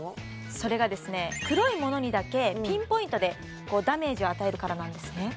それがですね黒いものにだけピンポイントでダメージを与えるからなんですね